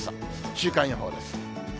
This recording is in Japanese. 週間予報です。